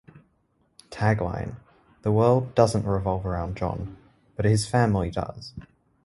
Tagline: The world doesn't revolve around John...but his family does.